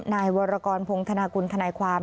นายวรกรพงธนากุลทนายความ